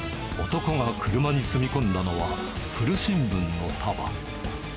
男が車に積み込んだのは古新聞の束。